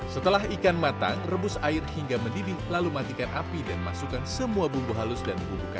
setelah ikan matang rebus air hingga mendidih lalu matikan api dan masukkan semua bumbu halus dan bumbu kaca